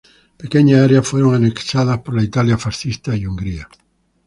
Pequeñas áreas fueron anexadas por la Italia fascista y Hungría.